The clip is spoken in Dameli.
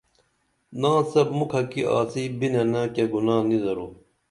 ناڅپ مُکھہ کی آڅی بِننہ کیہ گُنا نی درو